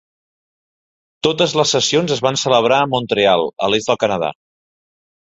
Totes les sessions es van celebrar a Montreal, a l'est del Canadà.